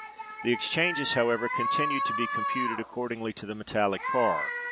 The exchanges, however, continue to be computed according to the metallic par.